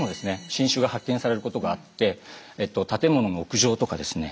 新種が発見されることがあって建物の屋上とかですね